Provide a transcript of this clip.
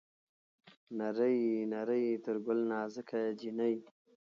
نرۍ نرى تر ګل نازکه جينۍ